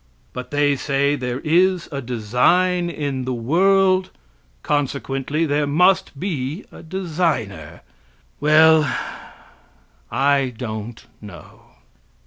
But they say there is a design in the world, consequently there must be a designer. Well, I don't know.